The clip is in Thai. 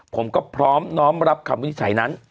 ผมก็พร้อมน้อมรับคำวินิจฉัยนั้น